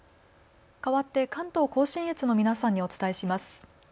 かわって関東甲信越の皆さんにお伝えします。